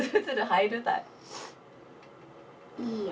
・いいよ。